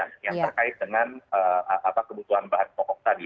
yang terkait dengan kebutuhan bahan pokok tadi